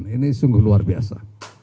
ini sungguh luar biasa